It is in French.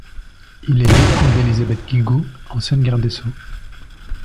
Il est l'époux d'Élisabeth Guigou, ancienne garde des Sceaux.